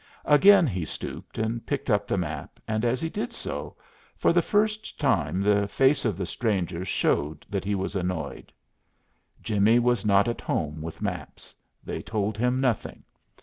Again he stooped and picked up the map, and as he did so, for the first time the face of the stranger showed that he was annoyed. Jimmie was not at home with maps. They told him nothing.